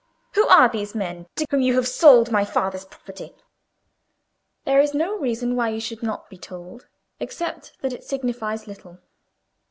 Who are these men to whom you have sold my father's property?" "There is no reason why you should not be told, except that it signifies little.